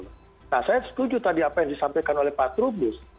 nah saya setuju tadi apa yang disampaikan oleh pak trubus